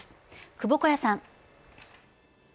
窪小谷さん。